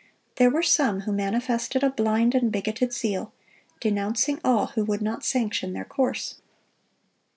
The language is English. There were some who manifested a blind and bigoted zeal, denouncing all who would not sanction their course.